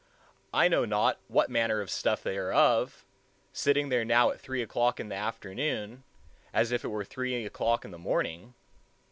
I know not what manner of stuff they are of—sitting there now at three o'clock in the afternoon, as if it were three o'clock in the morning.